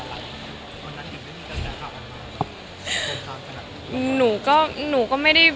ตอนนั้นยังไม่มีกระแสข้ามันมาเกิดข้ามขนาดนี้